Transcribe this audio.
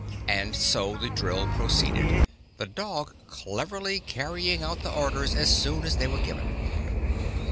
And so the drill proceeded, the dog cleverly carrying out the orders as soon as they were given.